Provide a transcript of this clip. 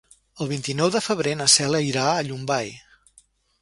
El vint-i-nou de febrer na Cel irà a Llombai.